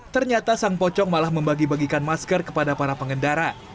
ternyata sang pocong malah membagi bagikan masker kepada para pengendara